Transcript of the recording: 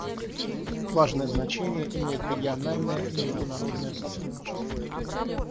Важное значение имеют региональное и международное сотрудничество.